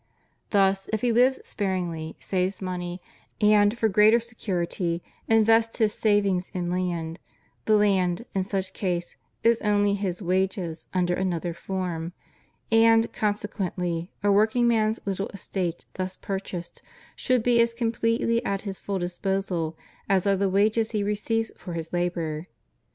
Thus, if he lives spar^ ingly, saves money, and, for greater security, invests his savings in land, the land, in such case, is only his wages under another form; and, consequently, a workingman'a little estate thus purchased should be as completely at his full disposal as are the wages he receives for his labor.